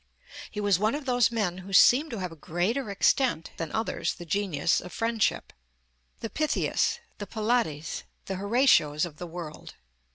He was one of those men who seem to have to a greater extent than others the genius of friendship, the Pythias, the Pylades, the Horatios of the world.